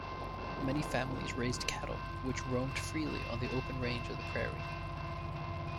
Many families raised cattle, which roamed freely on the open range of the prairie.